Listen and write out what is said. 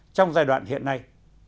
trong giai đoạn hiện nay